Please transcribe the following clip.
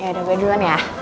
ya udah gue duluan ya